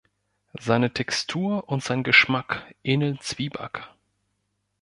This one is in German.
Seine Textur und sein Geschmack ähneln Zwieback.